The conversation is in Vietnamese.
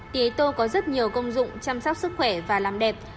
thì tô có rất nhiều công dụng chăm sóc sức khỏe và làm đẹp